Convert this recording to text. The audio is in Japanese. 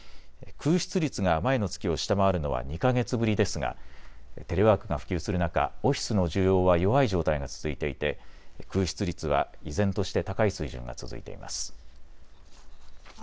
空室率が前の月を下回るのは２か月ぶりですがテレワークが普及する中、オフィスの需要は弱い状態が続いていて空室率は依然として高い水準が続いています。